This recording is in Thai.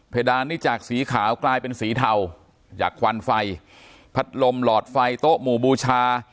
ดานนี้จากสีขาวกลายเป็นสีเทาจากควันไฟพัดลมหลอดไฟโต๊ะหมู่บูชา